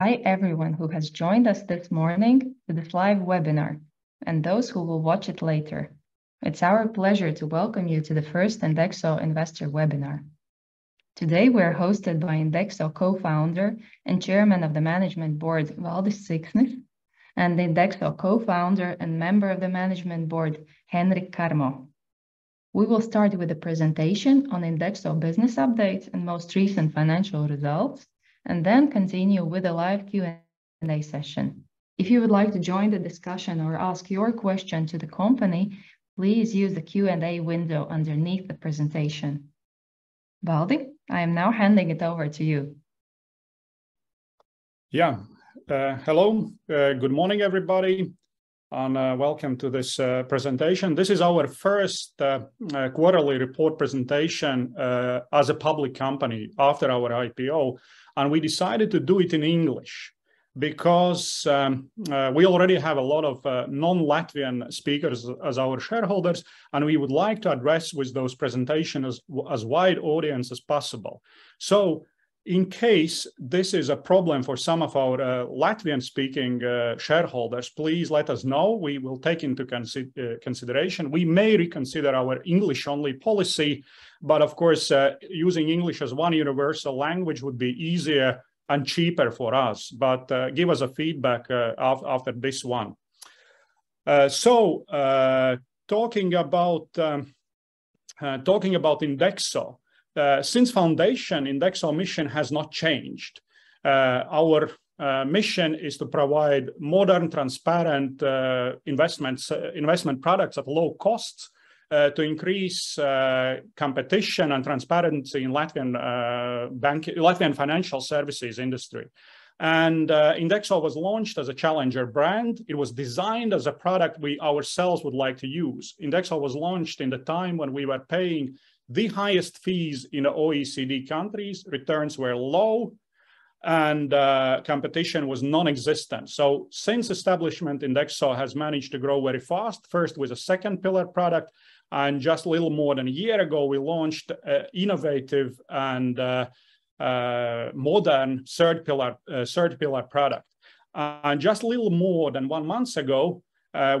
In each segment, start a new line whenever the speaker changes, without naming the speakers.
Hi, everyone who has joined us this morning to this live webinar and those who will watch it later. It's our pleasure to welcome you to the first Indexo investor webinar. Today we're hosted by Indexo co-founder and Chairman of the Management Board, Valdis Siksnis, and Indexo co-founder and Member of the Management Board, Henriks Karmo. We will start with a presentation on Indexo business updates and most recent financial results, and then continue with a live Q&A session. If you would like to join the discussion or ask your question to the company, please use the Q&A window underneath the presentation. Valdi, I am now handing it over to you.
Yeah. Hello. Good morning, everybody, and welcome to this presentation. This is our first quarterly report presentation as a public company after our IPO, and we decided to do it in English because we already have a lot of non-Latvian speakers as our shareholders, and we would like to address with those presentations as wide audience as possible. In case this is a problem for some of our Latvian-speaking shareholders, please let us know. We will take into consideration. We may reconsider our English-only policy, but of course, using English as one universal language would be easier and cheaper for us. Give us a feedback after this one. So, talking about Indexo. SInce foundation, Indexo mission has not changed. Our mission is to provide modern, transparent investments, investment products at low cost to increase competition and transparency in Latvian financial services industry. Indexo was launched as a challenger brand. It was designed as a product we ourselves would like to use. Indexo was launched in the time when we were paying the highest fees in OECD countries. Returns were low and competition was non-existent. Since establishment, Indexo has managed to grow very fast, first with a second pillar product, and just a little more than a year ago, we launched innovative and modern third pillar product. Just a little more than one month ago,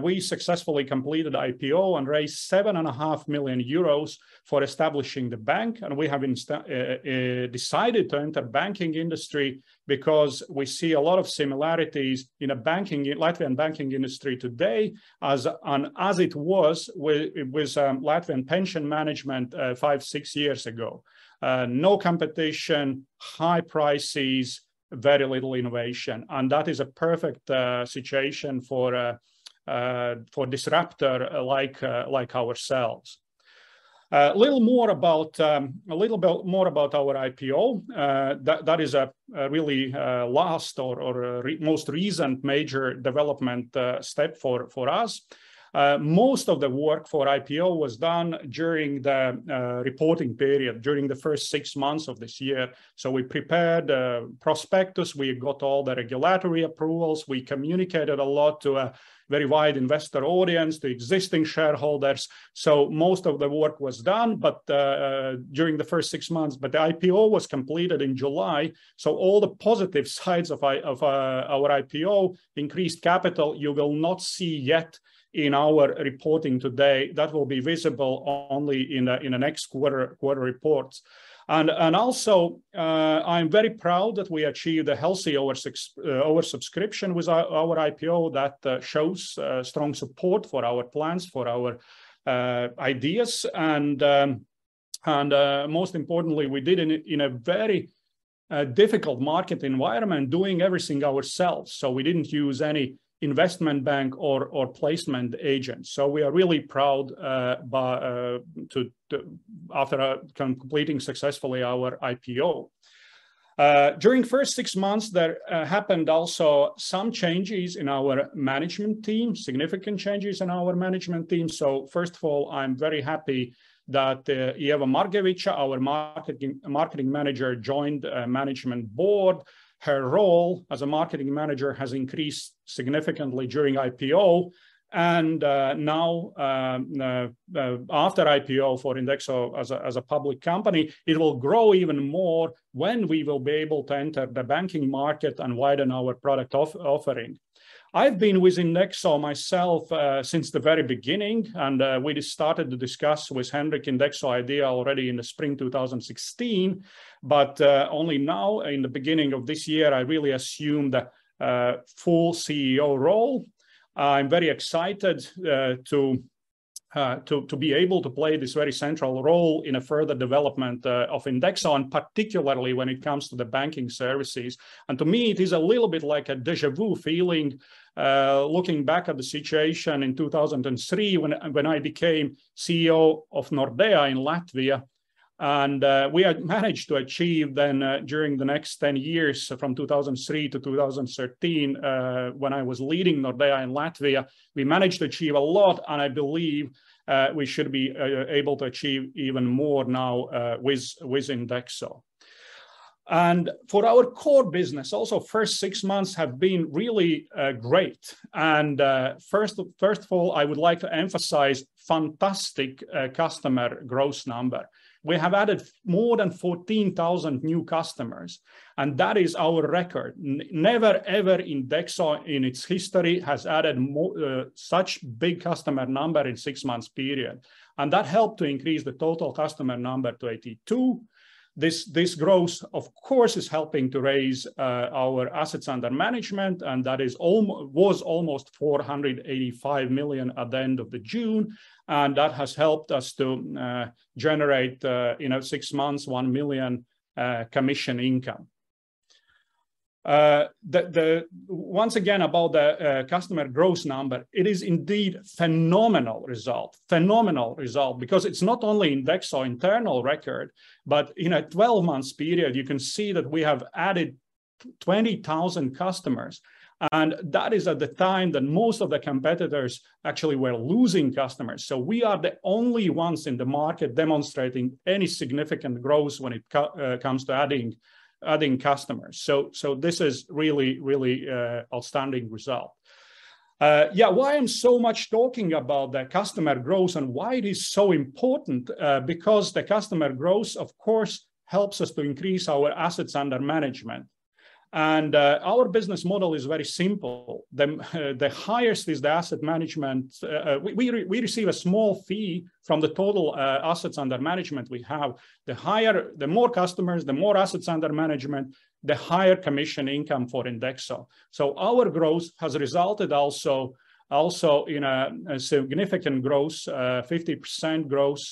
we successfully completed IPO and raised 7.5 million euros for establishing the bank. We have decided to enter banking industry because we see a lot of similarities in the banking, Latvian banking industry today, as it was with Latvian pension management five, six years ago. No competition, high prices, very little innovation. That is a perfect situation for a disruptor like ourselves. A little bit more about our IPO. That is a really most recent major development step for us. Most of the work for IPO was done during the reporting period during the first six months of this year, so we prepared a prospectus, we got all the regulatory approvals, we communicated a lot to a very wide investor audience, to existing shareholders. Most of the work was done, but during the first six months. The IPO was completed in July, so all the positive sides of our IPO increased capital you will not see yet in our reporting today. That will be visible only in the next quarter reports. I'm very proud that we achieved a healthy oversubscription with our IPO. That shows strong support for our plans, for our ideas. Most importantly, we did it in a very difficult market environment doing everything ourselves. We didn't use any investment bank or placement agent. We are really proud after successfully completing our IPO. During first six months there happened also some changes in our management team, significant changes in our management team. First of all, I'm very happy that Ieva Bauma, our marketing manager, joined management board. Her role as a marketing manager has increased significantly during IPO and now, after IPO for Indexo as a public company, it will grow even more when we will be able to enter the banking market and widen our product offering. I've been with Indexo myself since the very beginning, and we started to discuss with Henriks Indexo idea already in the spring 2016. Only now, in the beginning of this year, I really assumed a full CEO role. I'm very excited to be able to play this very central role in a further development of Indexo and particularly when it comes to the banking services. To me it is a little bit like a déjà vu feeling, looking back at the situation in 2003 when I became CEO of Nordea in Latvia and we had managed to achieve then during the next 10 years, from 2003 to 2013, when I was leading Nordea in Latvia, we managed to achieve a lot and I believe we should be able to achieve even more now with Indexo. For our core business also first six months have been really great. First of all, I would like to emphasize fantastic customer growth number. We have added more than 14,000 new customers, and that is our record. Never ever Indexo in its history has added such big customer number in six months period. That helped to increase the total customer number to 82,000. This growth of course is helping to raise our assets under management, and that was almost 485 million at the end of June, and that has helped us to generate, you know, six months 1 million commission income. Once again, about the customer growth number, it is indeed phenomenal result. Phenomenal result because it's not only Indexo internal record, but in a 12-month period, you can see that we have added 20,000 customers, and that is at the time that most of the competitors actually were losing customers. We are the only ones in the market demonstrating any significant growth when it comes to adding customers. This is really outstanding result. Why I'm talking so much about the customer growth and why it is so important? Because the customer growth of course helps us to increase our assets under management. Our business model is very simple. The mainstay is asset management. We receive a small fee from the total assets under management we have. The higher The more customers, the more assets under management, the higher commission income for Indexo. Our growth has resulted also in a significant growth, 50% growth,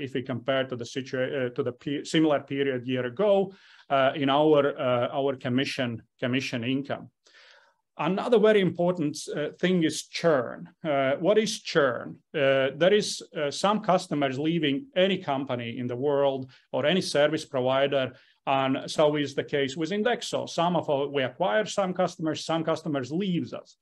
if we compare to the similar period year ago, in our commission income. Another very important thing is churn. What is churn? That is some customers leaving any company in the world or any service provider and so is the case with Indexo. We acquire some customers, some customers leaves us.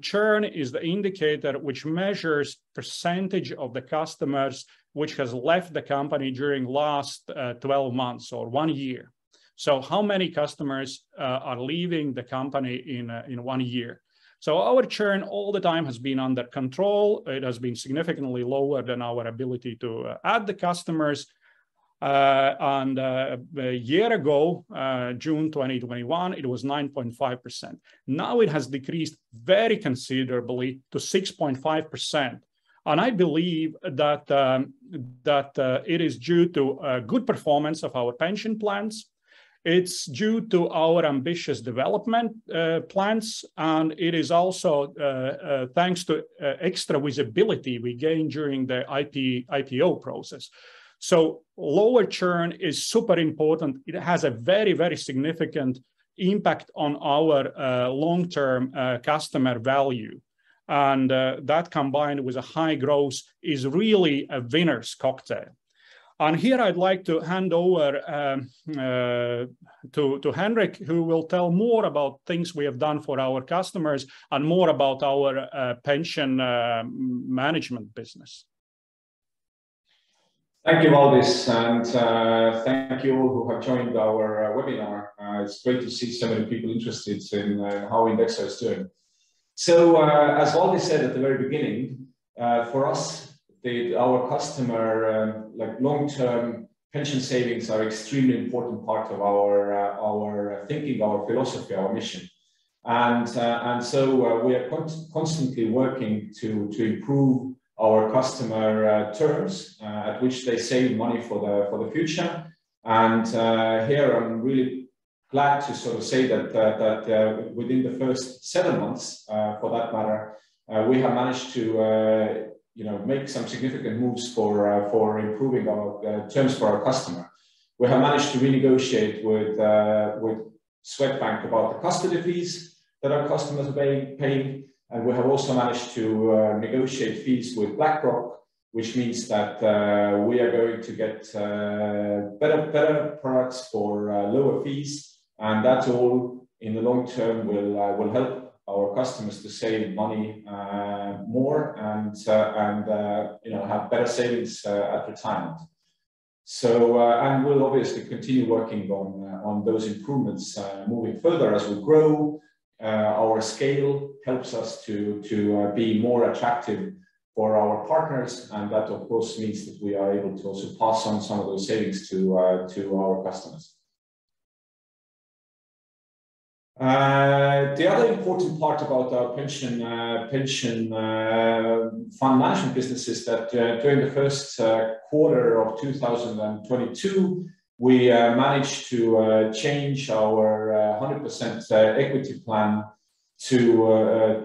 Churn is the indicator which measures percentage of the customers which has left the company during last 12 months or one year. How many customers are leaving the company in one year. Our churn all the time has been under control. It has been significantly lower than our ability to add the customers. A year ago, June 2021, it was 9.5%. Now it has decreased very considerably to 6.5%, and I believe that it is due to good performance of our pension plans. It's due to our ambitious development plans, and it is also thanks to extra visibility we gained during the IPO process. Lower churn is super important. It has a very significant impact on our long-term customer value. That combined with a high growth is really a winner's cocktail. Here I'd like to hand over to Henrik, who will tell more about things we have done for our customers and more about our pension management business.
Thank you, Valdis, and thank you all who have joined our webinar. It's great to see so many people interested in how Indexo is doing. As Valdis said at the very beginning, for us, our customers like long-term pension savings are extremely important part of our thinking, our philosophy, our mission. We are constantly working to improve our customers' terms at which they save money for the future. Here I'm really glad to sort of say that within the first seven months, for that matter, we have managed to you know make some significant moves for improving our terms for our customers. We have managed to renegotiate with Swedbank about the custody fees that our customers paying. We have also managed to negotiate fees with BlackRock, which means that we are going to get better products for lower fees. That all in the long term will help our customers to save money more and you know have better savings at retirement. We'll obviously continue working on those improvements moving further as we grow. Our scale helps us to be more attractive for our partners, and that of course means that we are able to also pass on some of those savings to our customers. The other important part about our pension fund management business is that during the first quarter of 2022, we managed to change our 100% equity plan to,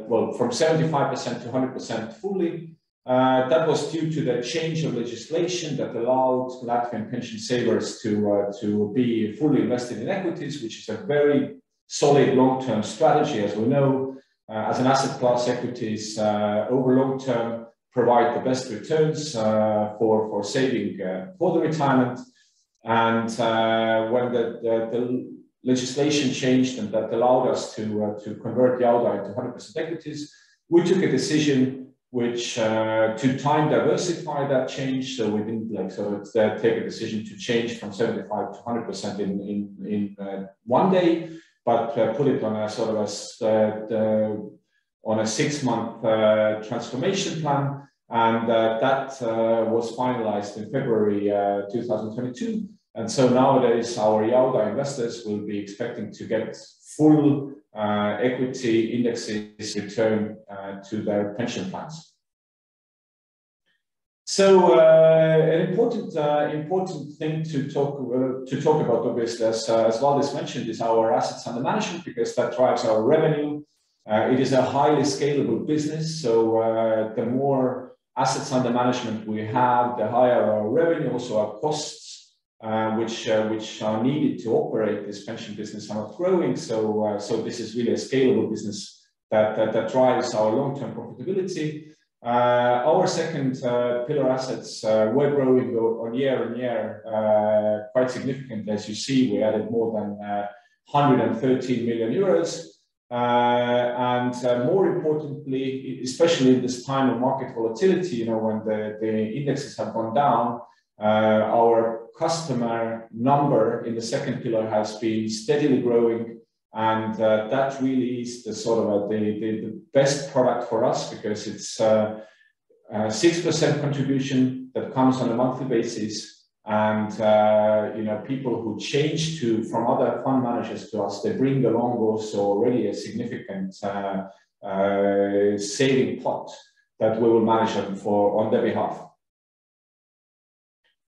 well, from 75% to 100% fully. That was due to the change of legislation that allowed Latvian pension savers to be fully invested in equities, which is a very solid long-term strategy, as we know. As an asset class, equities over long term provide the best returns for saving for the retirement. When the legislation changed and that allowed us to convert the INDEXO Jauda to 100% equities. We took a decision which to time diversify that change, so we didn't like sort of take a decision to change from 75% to 100% in one day, but put it on a sort of six-month transformation plan, and that was finalized in February 2022. Nowadays our [Aldai] investors will be expecting to get full equity indexes return to their pension plans. An important thing to talk about, obviously, as Valdis mentioned, is our assets under management because that drives our revenue. It is a highly scalable business. The more assets under management we have, the higher our revenue. Also our costs which are needed to operate this pension business are growing. So, this is really a scalable business that drives our long-term profitability. Our second pillar assets were growing year on year quite significantly. As you see, we added more than 113 million euros. And more importantly, especially in this time of market volatility, you know, when the indexes have gone down, our customer number in the second pillar has been steadily growing and that really is the sort of the best product for us because it's 6% contribution that comes on a monthly basis and you know, people who change from other fund managers to us, they bring along also already a significant saving pot that we will manage on their behalf.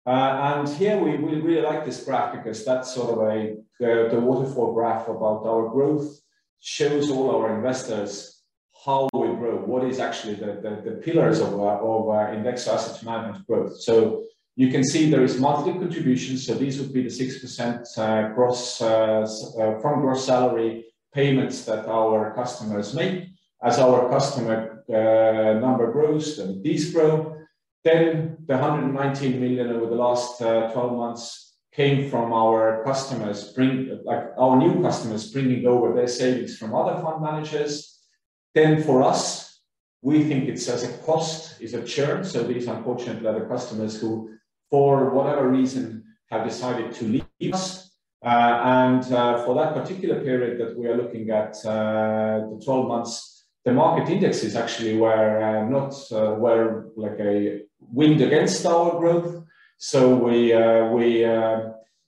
Here we really like this graph because that's sort of the waterfall graph about our growth. It shows all our investors how we grow, what is actually the pillars of Indexo asset management growth. You can see there are monthly contributions, so these would be the 6% gross from gross salary payments that our customers make. As our customer number grows, then these grow. The 119 million over the last 12 months came from our new customers bringing over their savings from other fund managers. For us, we think it's a cost, it's a churn, so these unfortunately are the customers who for whatever reason have decided to leave us. For that particular period that we are looking at, 12 months, the market indices actually were like a headwind against our growth.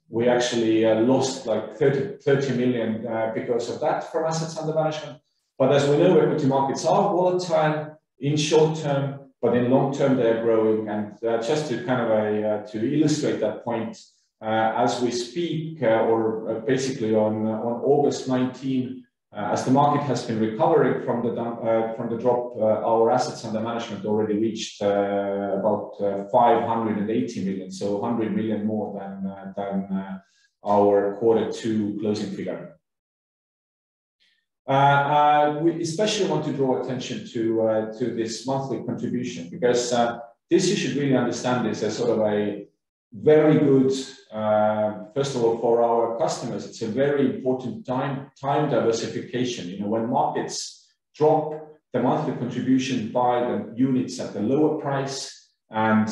We actually lost like 30 million because of that from assets under management. As we know, equity markets are volatile in short term, but in long term they are growing. Just to kind of illustrate that point, as we speak, or basically on August 19th, as the market has been recovering from the drop, our assets under management already reached about 580 million. 100 million more than our quarter two closing figure. We especially want to draw attention to this monthly contribution because this you should really understand this as sort of a very good, first of all, for our customers, it's a very important time diversification. You know, when markets drop, the monthly contribution buy the units at a lower price, and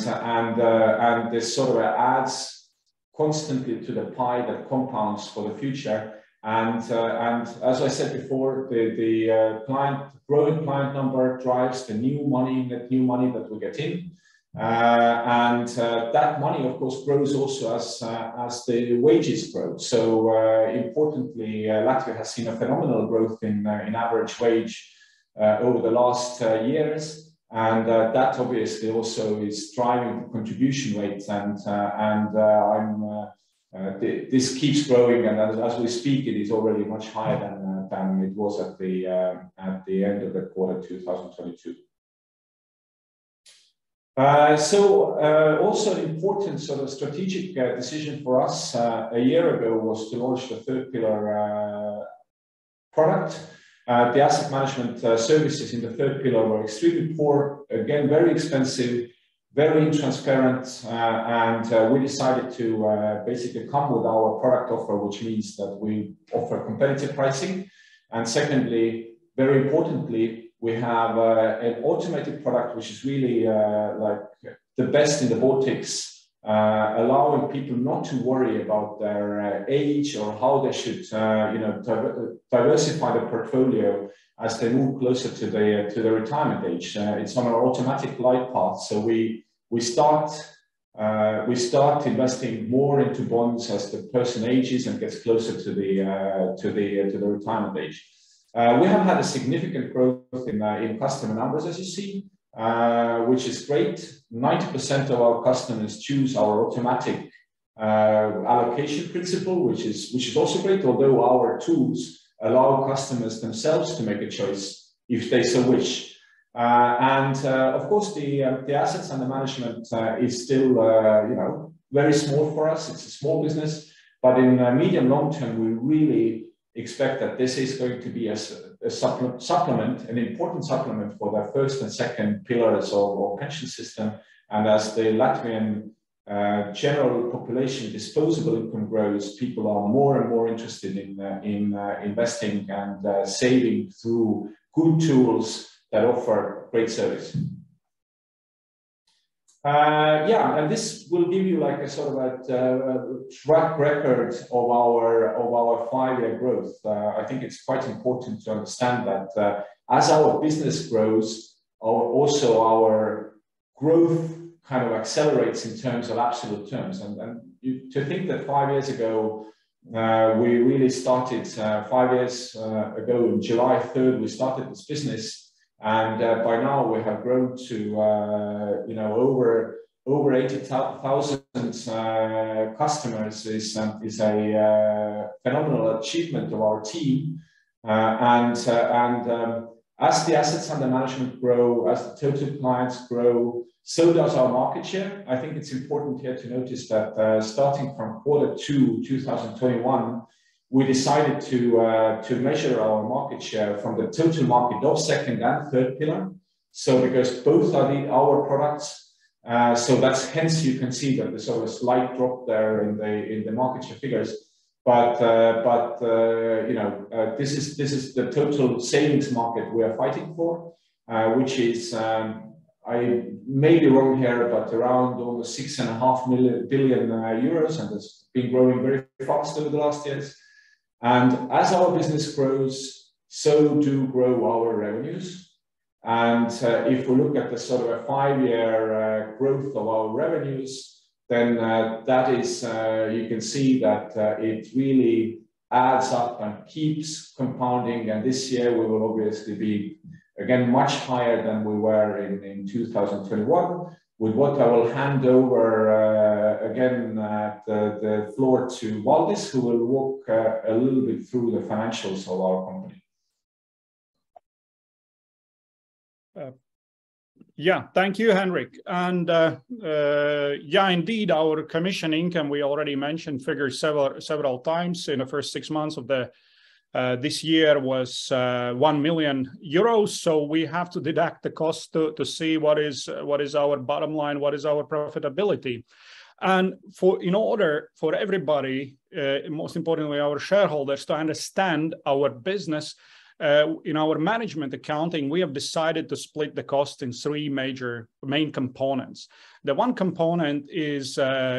this sort of adds constantly to the pie that compounds for the future. As I said before, the growing client number drives the new money, the new money that we're getting. That money of course grows also as the wages grow. Importantly, Latvia has seen a phenomenal growth in average wage over the last years. That obviously also is driving the contribution rates. This keeps growing and as we speak it is already much higher than it was at the end of the quarter 2022. Also important sort of strategic decision for us a year ago was to launch the third pillar product. The asset management services in the third pillar were extremely poor. Again, very expensive, very intransparent. We decided to basically come with our product offer, which means that we offer competitive pricing. Secondly, very importantly, we have an automated product which is really like the best in the Baltics, allowing people not to worry about their age or how they should you know diversify the portfolio as they move closer to the retirement age. It's on an automatic Life Path. We start investing more into bonds as the person ages and gets closer to the retirement age. We have had a significant growth in customer numbers as you see, which is great. 90% of our customers choose our automatic allocation principle, which is also great. Although our tools allow customers themselves to make a choice if they so wish. Of course, the assets under management is still very small for us. It's a small business, but in medium long term, we really expect that this is going to be a supplement, an important supplement for their first and second pillars of our pension system. As the Latvian general population disposable income grows, people are more and more interested in investing and saving through good tools that offer great service. Yeah, and this will give you like a sort of a track record of our five-year growth. I think it's quite important to understand that, as our business grows, our growth also kind of accelerates in terms of absolute terms. You'd think that five years ago we really started in July 3rd we started this business, and by now we have grown to, you know, over 80,000 customers, is a phenomenal achievement of our team. As the assets under management grow, as the total clients grow, so does our market share. I think it's important here to notice that, starting from quarter two, 2021, we decided to measure our market share from the total market, both second and third pillar, so because both are in our products. That's why you can see that there's a slight drop there in the market share figures. You know, this is the total savings market we are fighting for, which is, I may be wrong here, but around over 6.5 billion euros, and it's been growing very fast over the last years. As our business grows, so do grow our revenues. If we look at the sort of a five-year growth of our revenues, then, that is, you can see that, it really adds up and keeps compounding. This year we will obviously be again much higher than we were in 2021. With that I will hand over, again, the floor to Valdis, who will walk a little bit through the financials of our company.
Yeah. Thank you, Henrik. Yeah, indeed, our commission income, we already mentioned figures several times in the first six months of this year was 1 million euros. We have to deduct the cost to see what is our bottom line, what is our profitability. In order for everybody, most importantly our shareholders to understand our business, in our management accounting, we have decided to split the cost in three major components. The one component is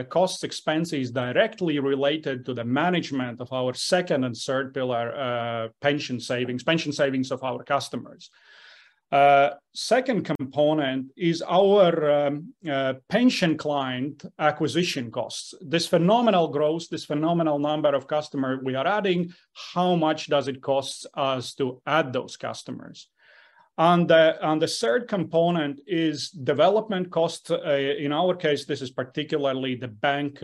costs expenses directly related to the management of our second and third pillar pension savings of our customers. Second component is our pension client acquisition costs. This phenomenal growth, this phenomenal number of customers we are adding, how much does it cost us to add those customers? The third component is development costs. In our case, this is particularly the bank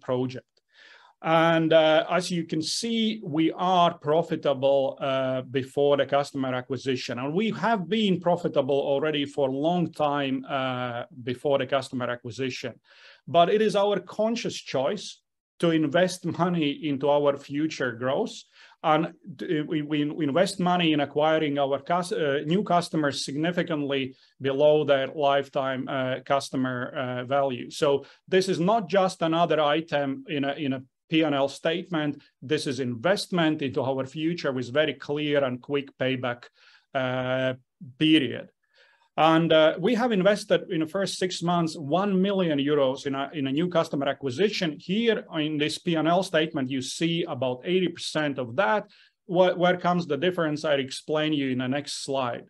project. As you can see, we are profitable before the customer acquisition, and we have been profitable already for a long time before the customer acquisition. It is our conscious choice to invest money into our future growth. We invest money in acquiring new customers significantly below their lifetime customer value. This is not just another item in a P&L statement. This is investment into our future with very clear and quick payback period. We have invested in the first six months 1 million euros in a new customer acquisition here in this P&L statement, you see about 80% of that. Where comes the difference, I explain you in the next slide.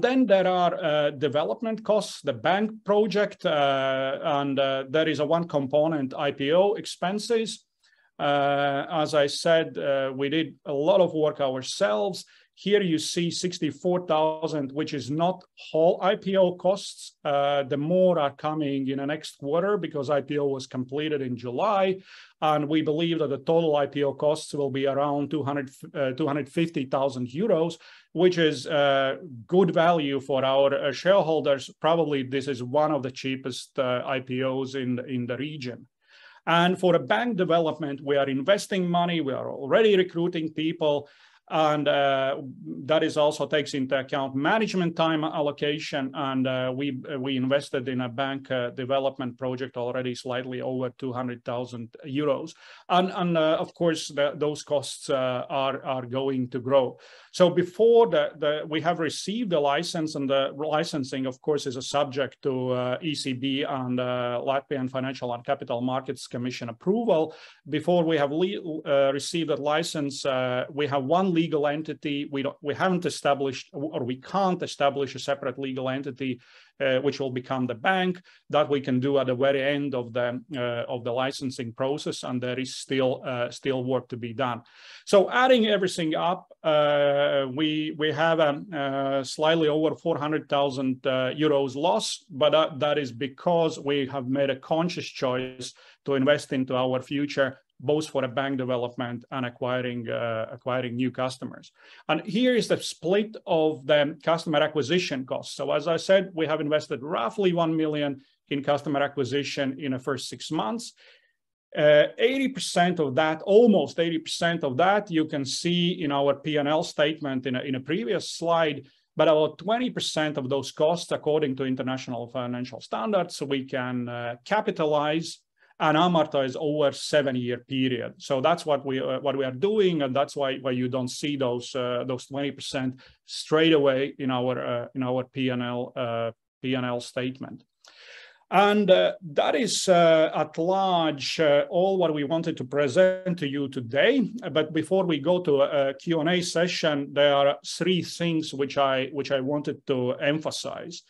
Then there are development costs, the bank project, and there is one component IPO expenses. As I said, we did a lot of work ourselves. Here you see 64,000, which is not whole IPO costs. The more are coming in the next quarter because IPO was completed in July, and we believe that the total IPO costs will be around 250,000 euros, which is good value for our shareholders. Probably this is one of the cheapest IPOs in the region. For the bank development, we are investing money. We are already recruiting people and that also takes into account management time allocation. We invested in a bank development project already slightly over 200,000 euros. Of course, those costs are going to grow. Before we have received the license, and the licensing of course is a subject to ECB and Latvian Financial and Capital Market Commission approval. Before we have received that license, we have one legal entity. We don't, we haven't established or we can't establish a separate legal entity, which will become the bank. That we can do at the very end of the licensing process. There is still work to be done. Adding everything up, we have slightly over 400,000 euros loss, but that is because we have made a conscious choice to invest into our future, both for the bank development and acquiring new customers. Here is the split of the customer acquisition costs. As I said, we have invested roughly 1 million in customer acquisition in the first six months. 80% of that, almost 80% of that you can see in our P&L statement in a previous slide. About 20% of those costs, according to international financial standards, we can capitalize and amortize over a seven-year period. That's what we are doing, and that's why you don't see those 20% straight away in our P&L statement. That is, at large, all what we wanted to present to you today. Before we go to a Q&A session, there are three things which I wanted to emphasize.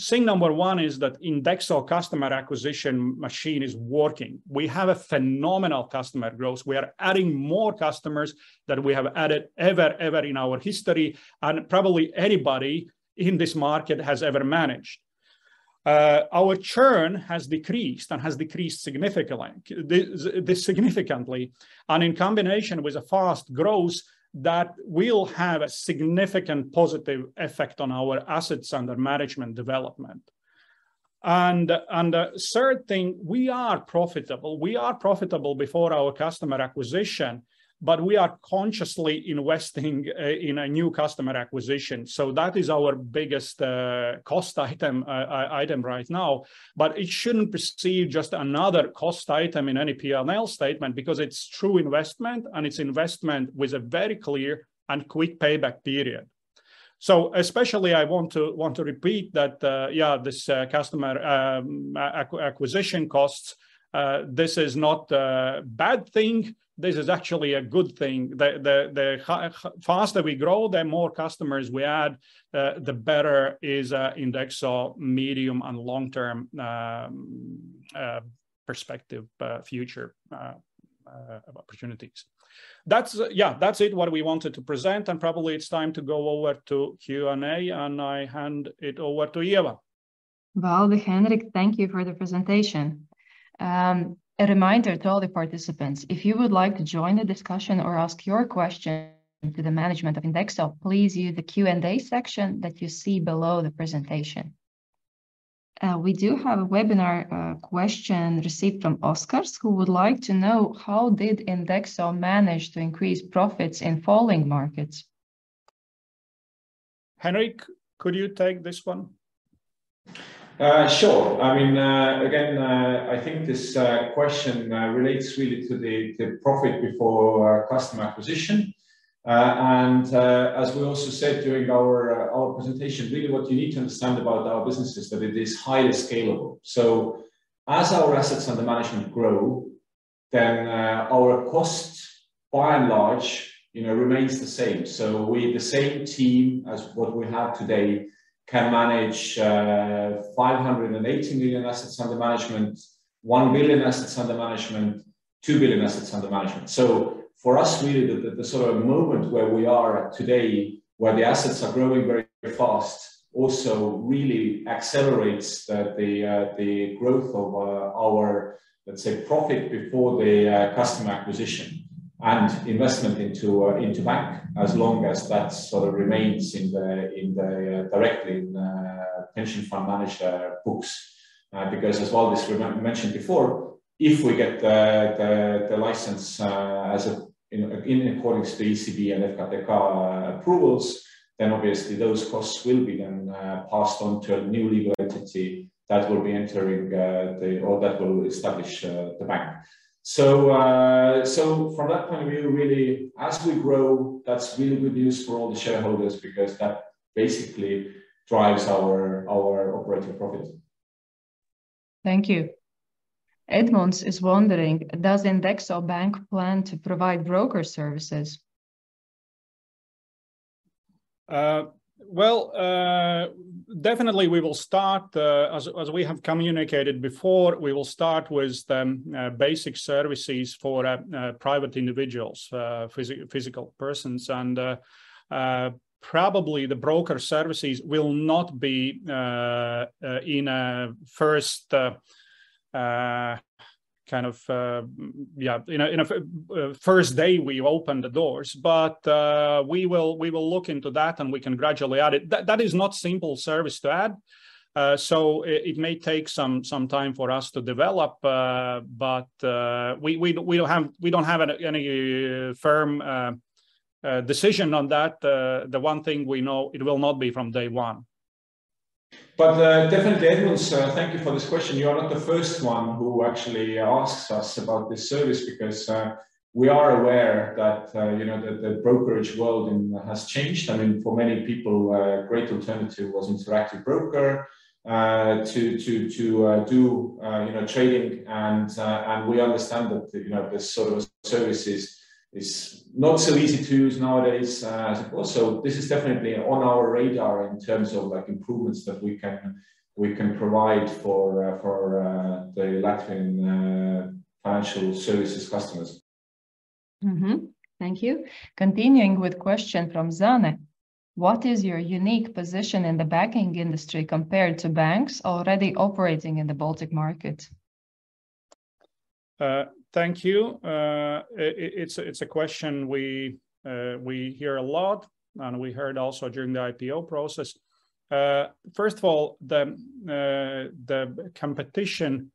Thing number one is that Indexo customer acquisition machine is working. We have a phenomenal customer growth. We are adding more customers than we have added ever in our history and probably anybody in this market has ever managed. Our churn has decreased significantly. Significantly and in combination with a fast growth, that will have a significant positive effect on our assets under management development. Third thing, we are profitable. We are profitable before our customer acquisition, but we are consciously investing in a new customer acquisition, so that is our biggest cost item right now. It shouldn't be perceived as just another cost item in any P&L statement because it's a true investment, and it's an investment with a very clear and quick payback period. Especially I want to repeat that, this customer acquisition costs, this is not a bad thing. This is actually a good thing. The faster we grow, the more customers we add, the better it is for Indexo medium- and long-term perspective, future opportunities. That's it, what we wanted to present, and probably it's time to go over to Q&A, and I hand it over to Ieva.
Valdis, Henriks, thank you for the presentation. A reminder to all the participants, if you would like to join the discussion or ask your question to the management of Indexo, please use the Q&A section that you see below the presentation. We do have a webinar question received from Oscars who would like to know how did Indexo manage to increase profits in falling markets.
Henriks, could you take this one?
Sure. I mean, again, I think this question relates really to the profit before our customer acquisition. As we also said during our presentation, really what you need to understand about our business is that it is highly scalable. As our assets under management grow, then our cost by and large, you know, remains the same. We, the same team as what we have today, can manage 580 million assets under management, 1 billion assets under management, 2 billion assets under management. For us, really the sort of moment where we are today, where the assets are growing very fast, also really accelerates the growth of our, let's say, profit before customer acquisition and investment into bank, as long as that sort of remains directly in pension fund manager books. Because as Valdis mentioned before, if we get the license, you know, in accordance to ECB and FKTK approvals, then obviously those costs will be passed on to a new legal entity that will establish the bank. From that point of view, really, as we grow, that's really good news for all the shareholders because that basically drives our operating profits.
Thank you. Edmunds is wondering, does Indexo Bank plan to provide broker services?
Well, definitely we will start, as we have communicated before, we will start with the basic services for private individuals, physical persons. Probably the broker services will not be in a first kind of, yeah, you know, in a first day we open the doors. We will look into that, and we can gradually add it. That is not simple service to add. It may take some time for us to develop, but we don't have any firm decision on that. The one thing we know it will not be from day one.
Definitely, Edmunds, thank you for this question. You are not the first one who actually asks us about this service because we are aware that, you know, the brokerage world has changed. I mean, for many people, great alternative was Interactive Brokers to do you know trading and we understand that, you know, this sort of service is not so easy to use nowadays, I suppose. This is definitely on our radar in terms of like improvements that we can provide for the Latvian financial services customers.
Thank you. Continuing with question from Zane. What is your unique position in the banking industry compared to banks already operating in the Baltic market?
Thank you, it's a question we hear a lot, and we heard also during the IPO process. First of all, the competition.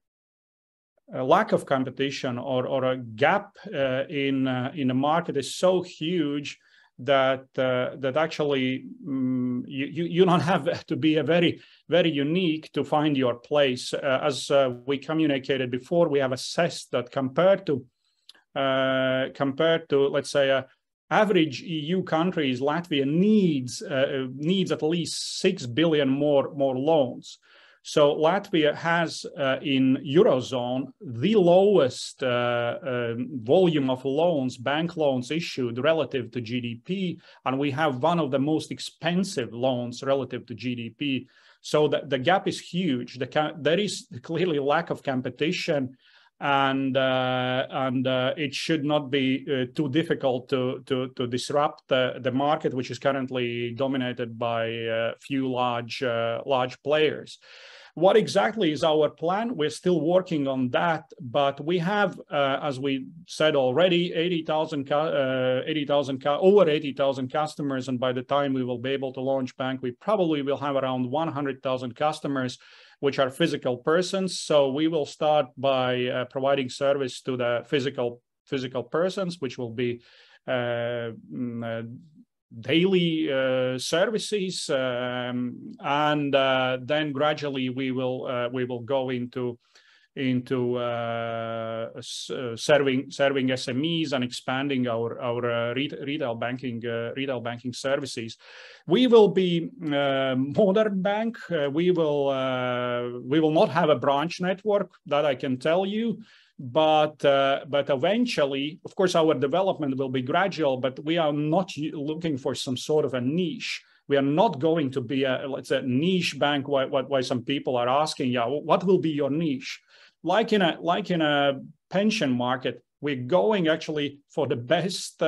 A lack of competition or a gap in the market is so huge that actually you not have to be a very unique to find your place. As we communicated before, we have assessed that compared to, let's say, an average EU countries, Latvia needs at least 6 billion more loans. Latvia has, in Eurozone, the lowest volume of loans, bank loans issued relative to GDP, and we have one of the most expensive loans relative to GDP. The gap is huge. There is clearly lack of competition, and it should not be too difficult to disrupt the market, which is currently dominated by a few large players. What exactly is our plan? We're still working on that, but we have, as we said already, over 80,000 customers, and by the time we will be able to launch bank, we probably will have around 100,000 customers, which are physical persons. We will start by providing service to the physical persons, which will be daily services. Then gradually we will go into serving SMEs and expanding our retail banking services. We will be modern bank. We will not have a branch network, that I can tell you. Eventually, of course our development will be gradual, but we are not looking for some sort of a niche. We are not going to be a, let's say, niche bank, why some people are asking, "Yeah, what will be your niche?" Like in a pension market, we're going actually for the best,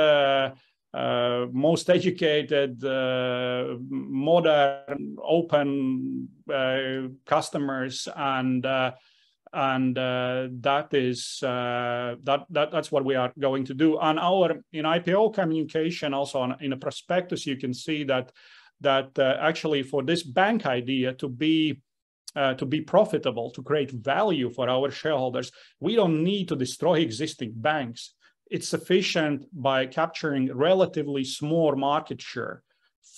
most educated, modern, open, customers and that's what we are going to do. In our IPO communication also in a prospectus, you can see that actually for this bank idea to be profitable, to create value for our shareholders, we don't need to destroy existing banks. It's sufficient by capturing relatively small market share.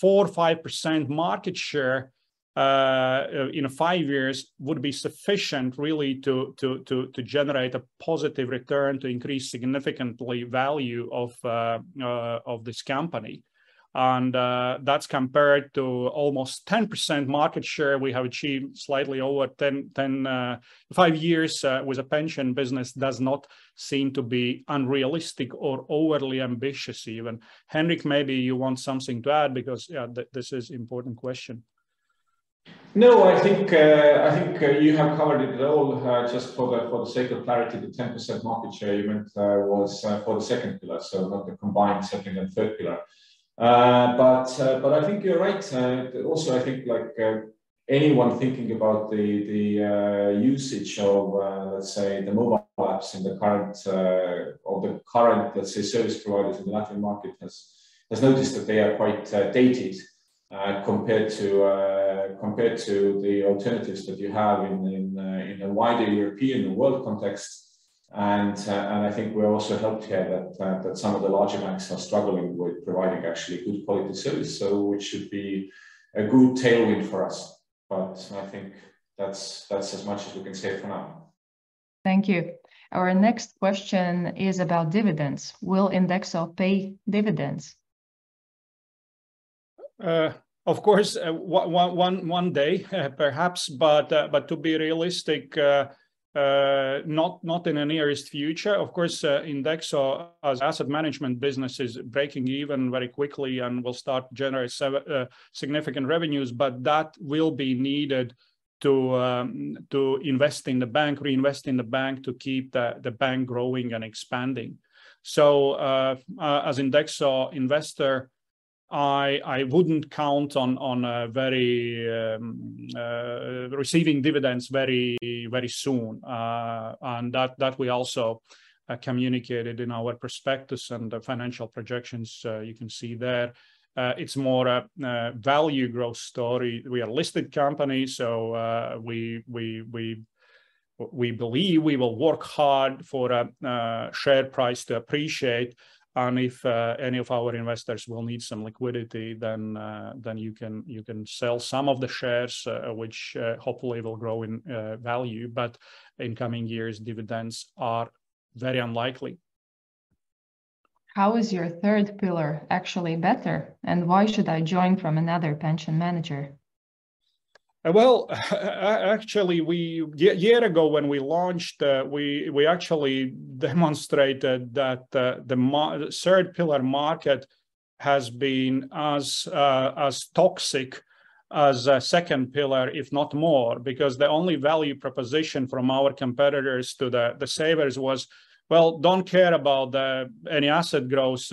4%-5% market share in five years would be sufficient really to generate a positive return to increase significantly value of this company. That's compared to almost 10% market share we have achieved slightly over 10% in five years with a pension business does not seem to be unrealistic or overly ambitious even. Henriks, maybe you want something to add because yeah, this is important question.
No, I think you have covered it all. Just for the sake of clarity, the 10% market share you meant was for the second pillar, so not the combined second and third pillar. But I think you're right. Also I think like anyone thinking about the usage of, let's say, the mobile apps in the current service providers in the Latvian market has noticed that they are quite dated compared to the alternatives that you have in the wider European and world context. I think we're also helped here that some of the larger banks are struggling with providing actually good quality service, so which should be a good tailwind for us. I think that's as much as we can say for now.
Thank you. Our next question is about dividends. Will Indexo pay dividends?
Of course, one day, perhaps, but to be realistic, not in the nearest future. Of course, Indexo as asset management business is breaking even very quickly and will start to generate significant revenues, but that will be needed to invest in the bank, reinvest in the bank to keep the bank growing and expanding. As Indexo investor, I wouldn't count on receiving dividends very soon. And that we also communicated in our prospectus and financial projections, you can see there. It's more value growth story. We are listed company, so we believe we will work hard for share price to appreciate, and if any of our investors will need some liquidity, then you can sell some of the shares, which hopefully will grow in value. In coming years, dividends are very unlikely.
How is your third pillar actually better, and why should I join from another pension manager?
Well, actually, a year ago when we launched, we actually demonstrated that the third pillar market has been as toxic as a second pillar, if not more, because the only value proposition from our competitors to the savers was, "Well, don't care about any asset growth.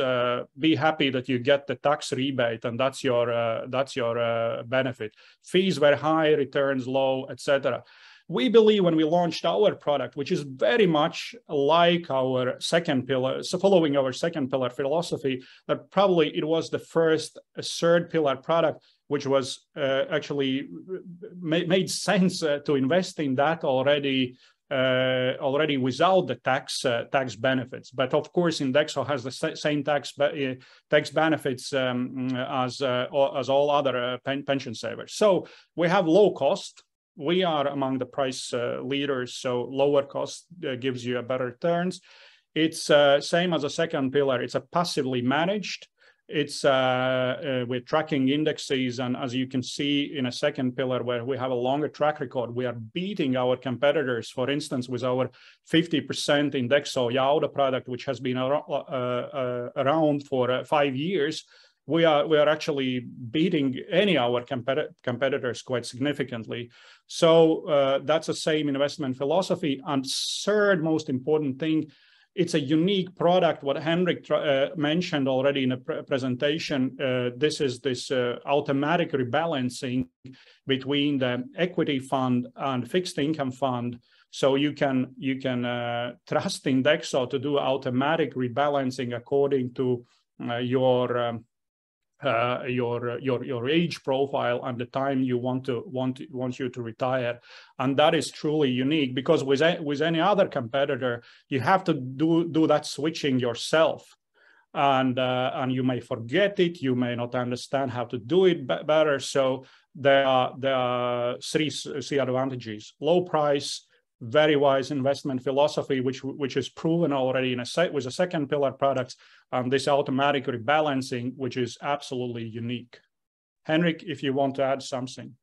Be happy that you get the tax rebate, and that's your benefit." Fees were high, returns low, et cetera. We believe when we launched our product, which is very much like our second pillar, so following our second pillar philosophy, that probably it was the first third pillar product which actually made sense to invest in that already without the tax benefits. Of course Indexo has the same tax benefits as all other pension savers. We have low cost. We are among the price leaders, so lower cost gives you better returns. It's same as a second pillar. It's passively managed. We're tracking indexes, and as you can see in a second pillar where we have a longer track record, we are beating our competitors. For instance, with our 50% Indexo Jauda product, which has been around for five years, we are actually beating any of our competitors quite significantly. That's the same investment philosophy. Third most important thing, it's a unique product that Henrik mentioned already in a presentation. This is automatic rebalancing between the equity fund and fixed income fund, so you can trust Indexo to do automatic rebalancing according to your age profile and the time you want to retire, and that is truly unique because with any other competitor, you have to do that switching yourself, and you may forget it. You may not understand how to do it better. There are three advantages. Low price. Very wise investment philosophy, which is proven already with the second pillar products. This automatic rebalancing, which is absolutely unique. Henriks Karmo, if you want to add something.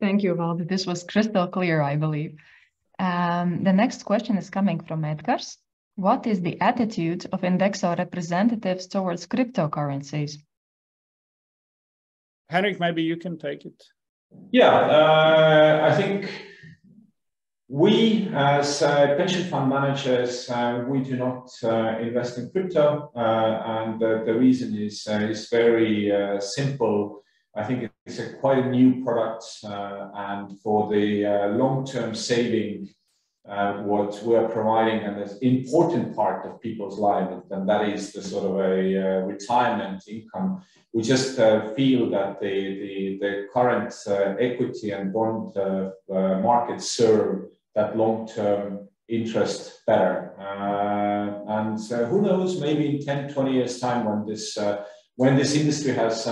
Thank you, Valdis. This was crystal clear, I believe. The next question is coming from Edgars: What is the attitude of Indexo representatives towards cryptocurrencies?
Henrik, maybe you can take it.
Yeah. I think we as pension fund managers we do not invest in crypto. The reason is very simple. I think it's a quite new product and for the long-term saving what we're providing and this important part of people's lives and that is the sort of a retirement income we just feel that the current equity and bond markets serve that long-term interest better. Who knows? Maybe in 10-20 years' time when this industry has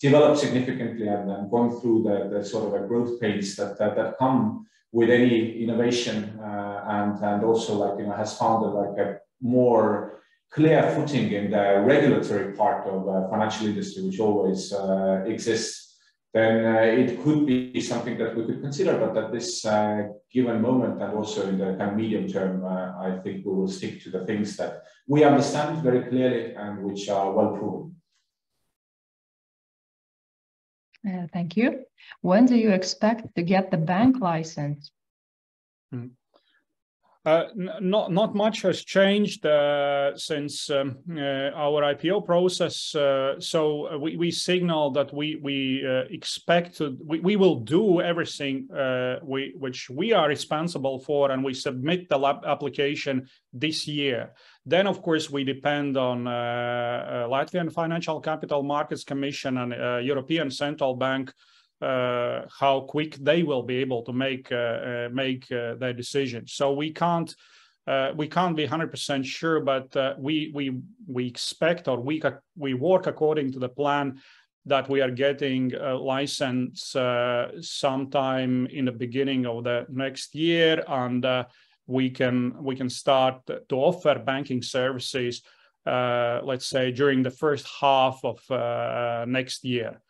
developed significantly and gone through the sort of a growing pains that come with any innovation, and also like, you know, has found a like, a more clear footing in the regulatory part of financial industry, which always exists, then it could be something that we could consider. At this given moment and also in the kind of medium term, I think we will stick to the things that we understand very clearly and which are well proven.
Thank you. When do you expect to get the bank license?
Not much has changed since our IPO process. We signal that we expect to. We will do everything which we are responsible for, and we submit the application this year. Of course we depend on Financial and Capital Market Commission and European Central Bank how quick they will be able to make their decision. We can't be 100% sure, but we expect or we work according to the plan that we are getting a license sometime in the beginning of the next year, and we can start to offer banking services, let's say, during the first half of next year.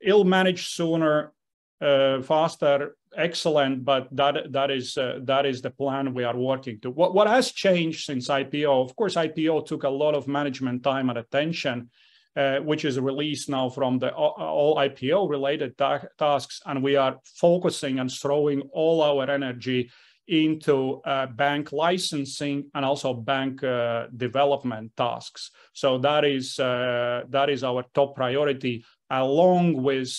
If we manage sooner, faster, excellent, but that is the plan we are working to. What has changed since IPO? Of course IPO took a lot of management time and attention, which is now released from all IPO related tasks, and we are focusing and throwing all our energy into bank licensing and also bank development tasks. That is our top priority, along with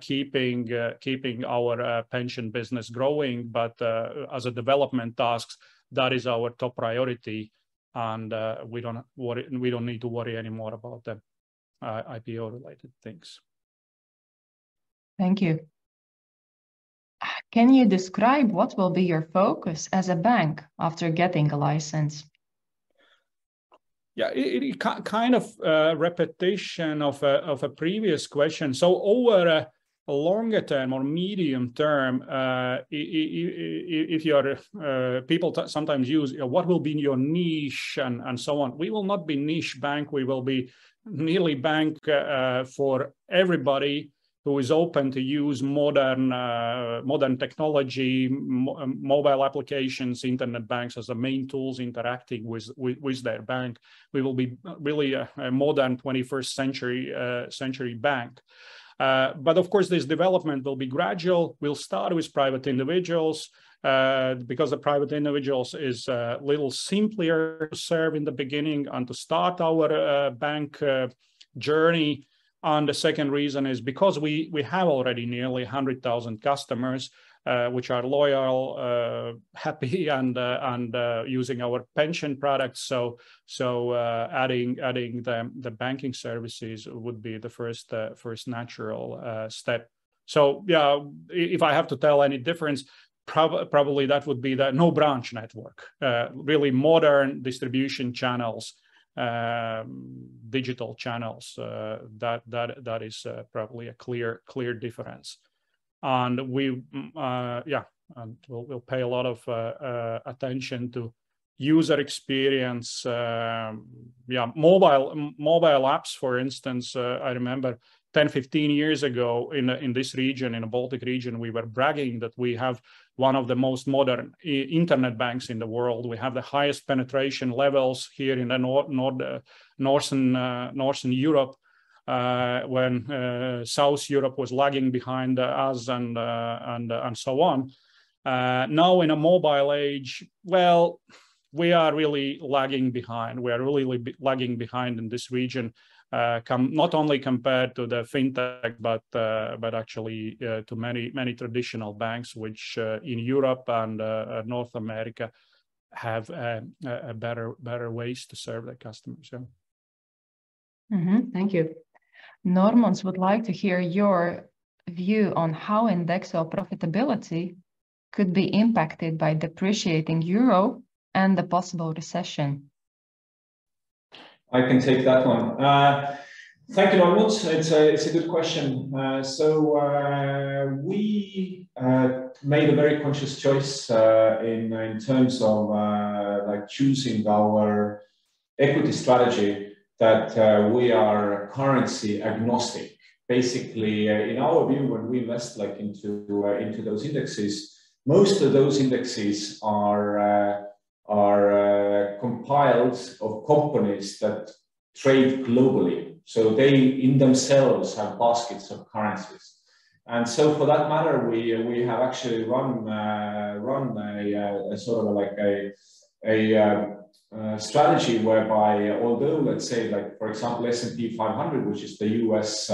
keeping our pension business growing. As for development tasks, that is our top priority, and we don't need to worry anymore about the IPO related things.
Thank you. Can you describe what will be your focus as a bank after getting a license?
It's kind of a repetition of a previous question. Over a longer term or medium term, people sometimes use, you know, what will be your niche and so on, we will not be niche bank. We will be neobank for everybody who is open to use modern technology, mobile applications, internet banking as the main tools interacting with their bank. We will be really a modern 21st century bank. Of course, this development will be gradual. We'll start with private individuals because the private individuals is a little simpler to serve in the beginning and to start our bank journey. The second reason is because we have already nearly 100,000 customers, which are loyal, happy and using our pension products. Adding the banking services would be the first natural step. Yeah, if I have to tell any difference, probably that would be the no branch network. Really modern distribution channels, digital channels. That is probably a clear difference. We yeah, and we'll pay a lot of attention to user experience, yeah, mobile apps, for instance. I remember 10, 15 years ago in this region, in the Baltic region, we were bragging that we have one of the most modern internet banks in the world. We have the highest penetration levels here in the Northern Europe, when South Europe was lagging behind us and so on. Now in a mobile age, we are really lagging behind. We are really lagging behind in this region, not only compared to the fintech, but actually to many, many traditional banks, which in Europe and North America have better ways to serve their customers.
Thank you. Normunds would like to hear your view on how Indexo profitability could be impacted by depreciating euro and the possible recession.
I can take that one. Thank you, Normunds. It's a good question. We made a very conscious choice in terms of like choosing our equity strategy that we are currency agnostic. Basically, in our view, when we invest like into those indexes, most of those indexes are compiled of companies that trade globally, so they in themselves have baskets of currencies. For that matter, we have actually run a sort of like a strategy whereby although let's say like for example, S&P 500, which is the U.S.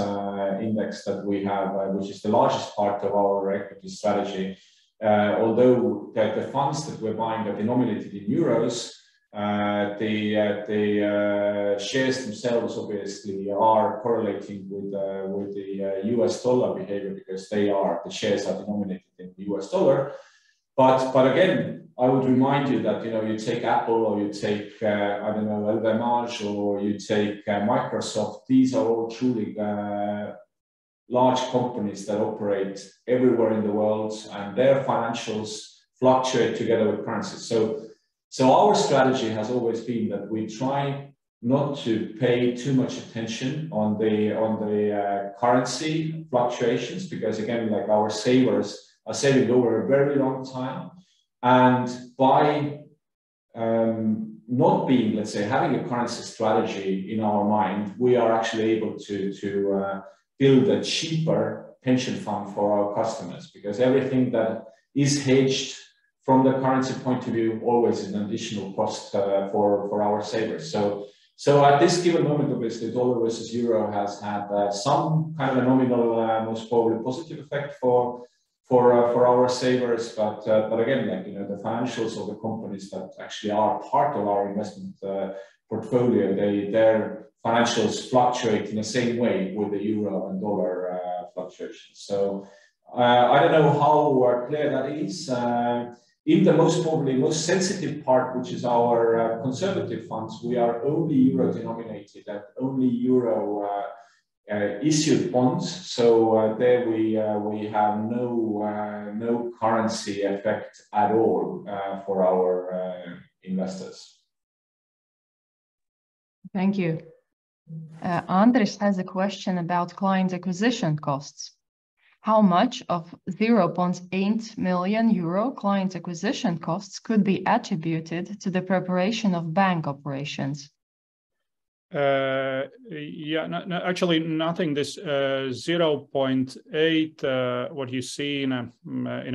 index that we have, which is the largest part of our equity strategy, although the funds that we're buying are denominated in euros, the shares themselves obviously are correlating with the U.S. dollar behavior because the shares are denominated in the U.S. dollar. Again, I would remind you that, you know, you take Apple or you take, I don't know, LVMH or you take Microsoft, these are all truly large companies that operate everywhere in the world, and their financials fluctuate together with currencies. Our strategy has always been that we try not to pay too much attention on the currency fluctuations, because again, like our savers are saving over a very long time. By not having a currency strategy in our mind, we are actually able to build a cheaper pension fund for our customers because everything that is hedged from the currency point of view always is an additional cost for our savers. At this given moment, obviously dollar versus euro has had some kind of a nominal most probably positive effect for our savers. But again, like, you know, the financials of the companies that actually are part of our investment portfolio, their financials fluctuate in the same way with the euro and dollar fluctuations. I don't know how clear that is. In the most probably most sensitive part, which is our conservative funds, we are only euro denominated and only euro issued bonds. There we have no currency effect at all for our investors.
Thank you. Andris has a question about client acquisition costs. How much of 0.8 million euro client acquisition costs could be attributed to the preparation of bank operations?
No, actually, nothing. This 0.8 million, what you see in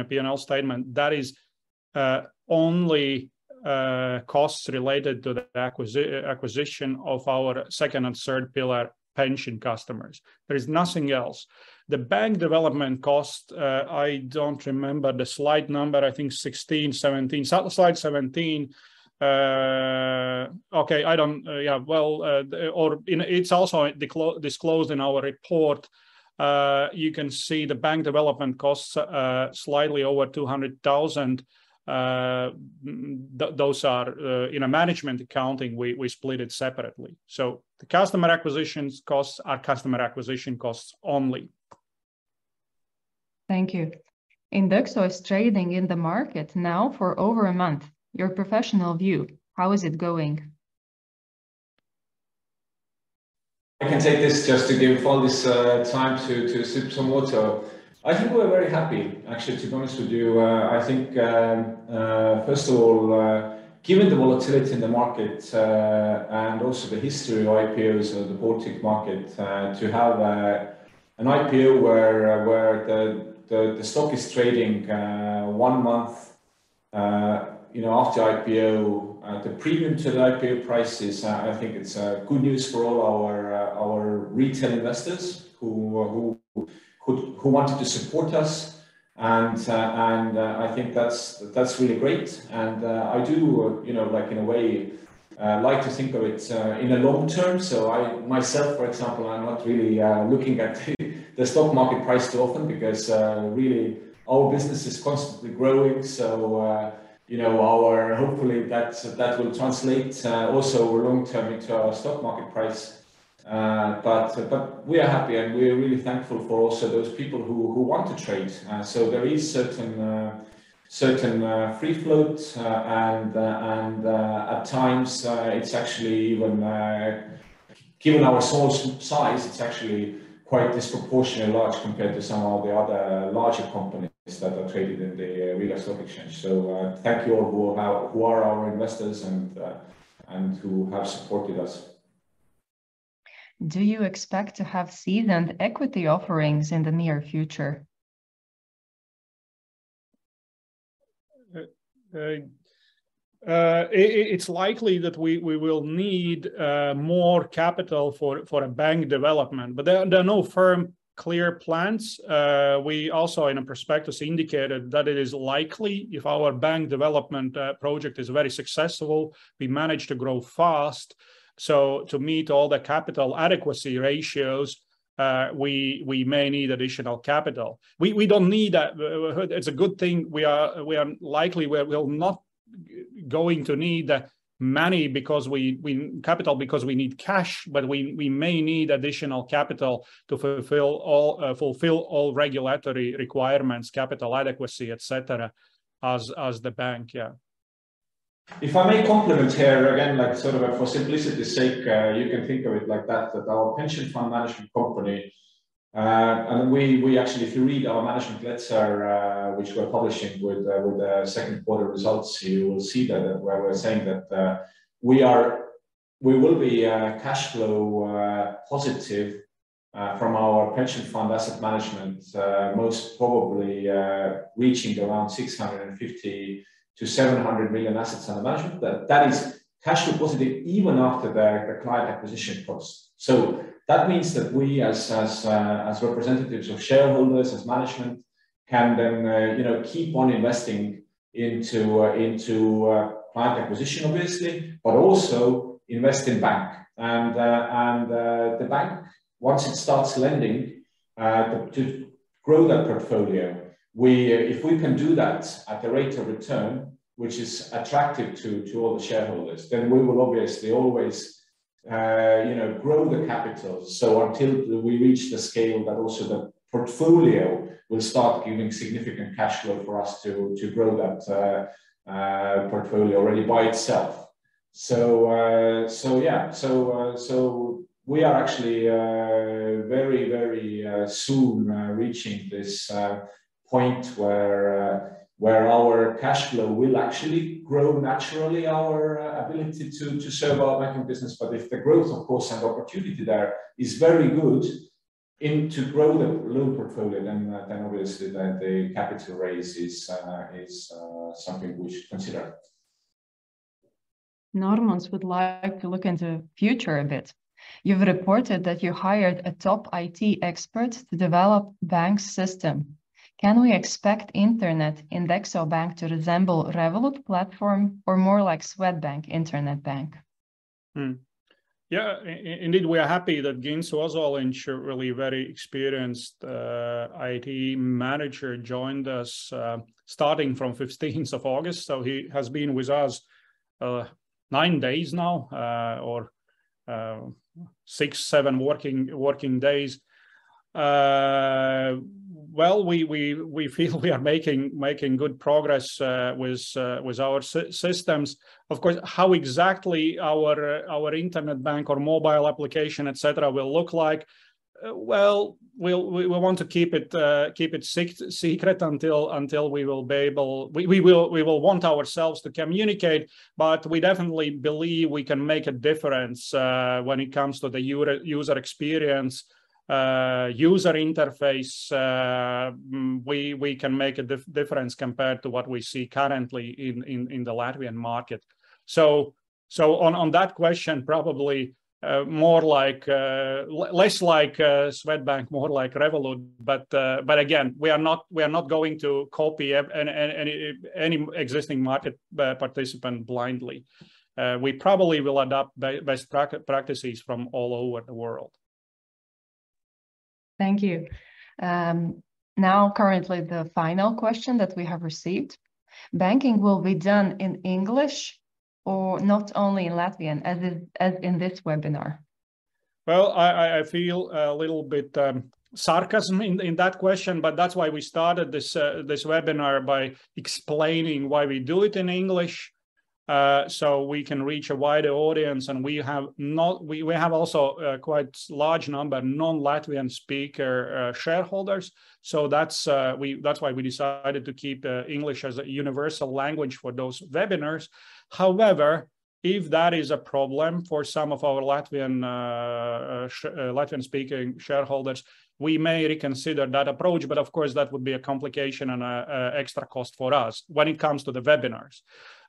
a P&L statement, that is only costs related to the acquisition of our second and third pillar pension customers. There is nothing else. The bank development cost, I don't remember the slide number. I think 16, 17. Slide 17. Okay. Yeah, well, or it's also disclosed in our report. You can see the bank development costs, slightly over 200,000. Those are, in a management accounting, we split it separately. The customer acquisition costs are customer acquisition costs only.
Thank you. Indexo is trading in the market now for over a month. Your professional view, how is it going?
I can take this just to give Valdis time to sip some water. I think we're very happy actually, to be honest with you. I think first of all, given the volatility in the market, and also the history of IPOs of the Baltic market, to have an IPO where the stock is trading one month, you know, after IPO, the premium to the IPO price is, I think it's good news for all our retail investors who wanted to support us and, I think that's really great. I do, you know, like in a way, like to think of it in the long term. I myself, for example, I'm not really looking at the stock market price too often because really our business is constantly growing. You know, hopefully that will translate also long-term into our stock market price. We are happy and we are really thankful for also those people who want to trade. There is certain free float. At times it's actually, given our size, it's actually quite disproportionately large compared to some of the other larger companies that are traded in the Riga Stock Exchange. Thank you all who are our investors and who have supported us.
Do you expect to have seasoned equity offerings in the near future?
It's likely that we will need more capital for a bank development, but there are no firm clear plans. We also in a prospectus indicated that it is likely if our bank development project is very successful, we manage to grow fast. To meet all the capital adequacy ratios, we may need additional capital. It's a good thing we are likely not going to need capital because we need cash, but we may need additional capital to fulfill all regulatory requirements, capital adequacy, et cetera, as the bank. Yeah.
If I may comment here again, like sort of for simplicity's sake, you can think of it like that our pension fund management company, and we actually if you read our management letter, which we're publishing with the second quarter results, you will see that where we're saying that, we will be cash flow positive from our pension fund asset management, most probably reaching around 650 million-700 million assets under management. That is cash flow positive even after the client acquisition costs. That means that we as representatives of shareholders, as management, can then, you know, keep on investing into client acquisition obviously, but also invest in bank and the bank once it starts lending, to grow that portfolio. We, if we can do that at the rate of return, which is attractive to all the shareholders, then we will obviously always, you know, grow the capital. Until we reach the scale that also the portfolio will start giving significant cash flow for us to grow that portfolio really by itself. We are actually very soon reaching this point where our cash flow will actually grow naturally our ability to serve our banking business. If the growth of course and opportunity there is very good and to grow the loan portfolio, then obviously the capital raise is something we should consider.
Normunds would like to look into future a bit. You've reported that you hired a top IT expert to develop bank system. Can we expect internet INDEXO Bank to resemble Revolut platform or more like Swedbank internet bank?
Indeed we are happy that Gints Ozoliņš, really very experienced IT manager joined us starting from fifteenth of August. He has been with us nine days now or six, seven working days. Well, we feel we are making good progress with our systems. Of course, how exactly our internet bank or mobile application, etc., will look like. Well, we want to keep it secret until we will want ourselves to communicate, but we definitely believe we can make a difference when it comes to the user experience, user interface. We can make a difference compared to what we see currently in the Latvian market. On that question, probably more like less like Swedbank, more like Revolut. Again, we are not going to copy any existing market participant blindly. We probably will adopt best practices from all over the world.
Thank you. Now currently the final question that we have received. Banking will be done in English or not only in Latvian as in this webinar?
Well, I feel a little bit sarcasm in that question, but that's why we started this webinar by explaining why we do it in English, so we can reach a wider audience. We have also a quite large number non-Latvian-speaking shareholders. That's why we decided to keep English as a universal language for those webinars. However, if that is a problem for some of our Latvian-speaking shareholders, we may reconsider that approach. Of course, that would be a complication and an extra cost for us when it comes to the webinars.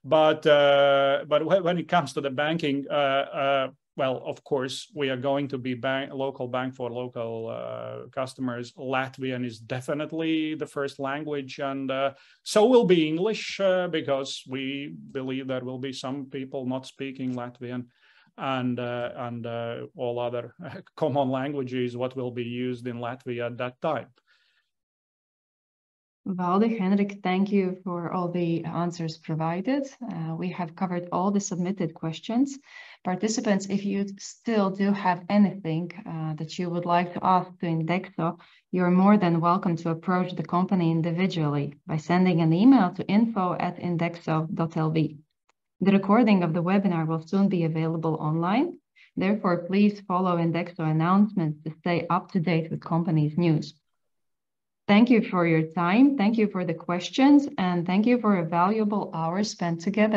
When it comes to the banking, of course, we are going to be a local bank for local customers. Latvian is definitely the first language, and so will be English, because we believe there will be some people not speaking Latvian and all other common languages what will be used in Latvia at that time.
Valdis, Henriks, thank you for all the answers provided. We have covered all the submitted questions. Participants, if you still do have anything that you would like to ask to Indexo, you're more than welcome to approach the company individually by sending an email to info@indexo.lv. The recording of the webinar will soon be available online. Therefore, please follow Indexo announcements to stay up to date with company's news. Thank you for your time. Thank you for the questions, and thank you for a valuable hour spent together.